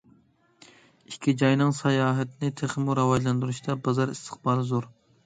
ئىككى جاينىڭ ساياھەتنى تېخىمۇ راۋاجلاندۇرۇشىدا بازار ئىستىقبالى زور.